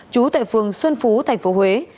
chú tại phường xuân phú tp huế